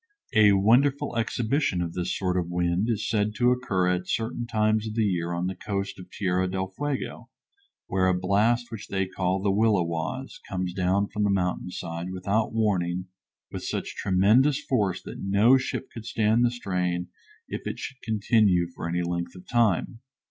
A wonderful exhibition of this sort of wind is said to occur at certain times of the year on the coast at Tierra del Fuego, where a blast which they call the "Williwaus," comes down from the mountain side, without warning, with such tremendous force that no ship could stand the strain if it should continue for any length of time.